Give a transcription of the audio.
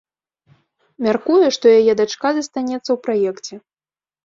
Мяркуе, што яе дачка застанецца ў праекце.